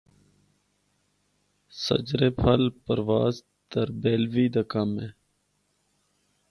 ’سجرے پھل‘ پرواز تربیلوی دا کم اے۔